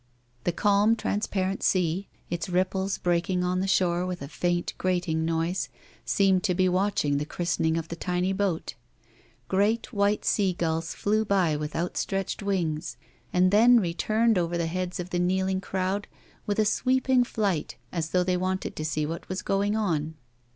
The calm, transparent sea, its ripples breaking on the shore with a faint, grating noise, seemed to be watching the christening of the tiny boat. Great, white sea gnlls flew by with outstretched wings, and then returned over the heads of the kneeling crowd with a sweeping flight as though they wanted to see w^hat was going on.